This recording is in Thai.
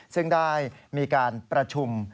ซึ่งได้มีการประชุม